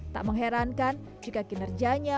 tak mengherankan jika kinerjanya